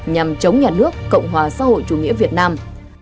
nhằm chống nhà nước cộng hòa xã hội chủ nghĩa việt nam